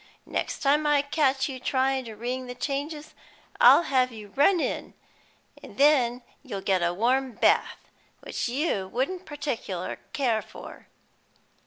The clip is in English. Next time I catch you tryin' to ring the changes, I'll have you run in, and then you'll get a warm bath, which you wouldn't partic'lar care for."